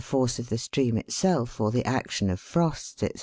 55 force of the stream itself or the action of frost, &c.